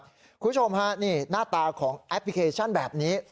คุณผู้ชมฮะนี่หน้าตาของแอปพลิเคชันแบบนี้